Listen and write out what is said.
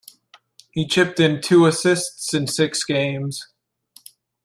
He chipped in two assists in six games.